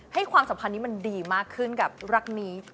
ความสัมพันธ์นี้มันดีมากขึ้นกับรักนี้